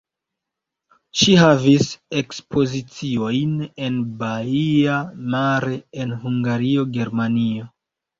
Ŝi havis ekspoziciojn en Baia Mare; en Hungario, Germanio.